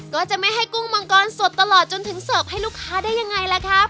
ก็จะไม่ให้กุ้งมังกรสดตลอดจนถึงเสิร์ฟให้ลูกค้าได้ยังไงล่ะครับ